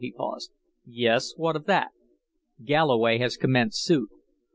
He paused. "Yes. What of that?" "Galloway has commenced suit."